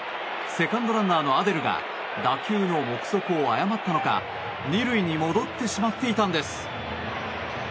セカンドランナーのアデルが打球の目測を誤ったのか２塁に戻ってしまっていたんです。